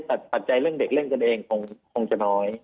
ปัจจัยเรื่องเด็กเล่นกันเองคงจะน้อย